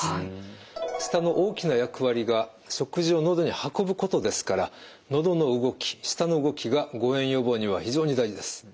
舌の大きな役割が食事をのどに運ぶことですからのどの動き舌の動きが誤嚥予防には非常に大事です。